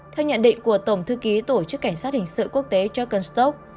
theo nhận định của tổng thư ký tổ chức cảnh sát hình sự quốc tế jockenstock